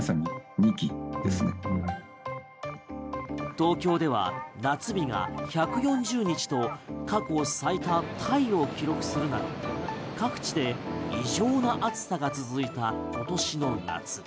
東京では夏日が１４０日と過去最多タイを記録するなど各地で異常な暑さが続いた今年の夏。